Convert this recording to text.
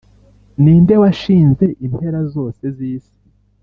ni nde washinze impera zose z’isi’